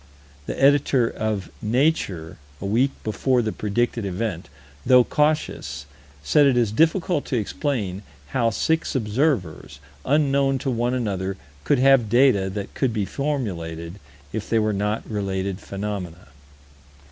The Editor of Nature, a week before the predicted event, though cautious, said that it is difficult to explain how six observers, unknown to one another, could have data that could be formulated, if they were not related phenomena.